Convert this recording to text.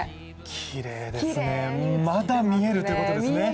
きれいですね、まだ見えるということですね。